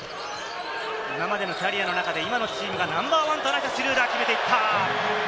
今までのキャリアの中で今のチームがナンバーワンというシュルーダーが決めていった。